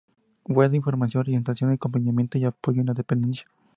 Web de información, orientación, acompañamiento y apoyo a la dependencia.